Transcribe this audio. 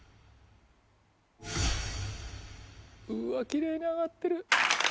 きれいに上がってる！